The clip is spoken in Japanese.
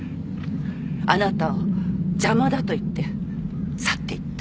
あなたを邪魔だと言って去っていった。